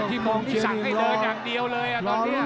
โมงที่สั่งให้เดินอย่างเดียวเลยตอนนี้